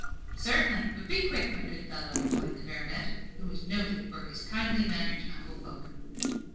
"Certainly! but be quick, my good fellow," replied the baronet, who was noted for his kindly manner to humble folk.